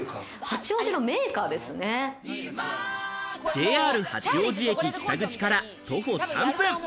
ＪＲ八王子駅北口から徒歩３分。